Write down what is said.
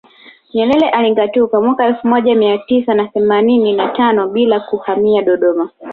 Nyerere alingatuka mwaka elfu moja mia tisa na themanini na tano bila kuhamia Dodoma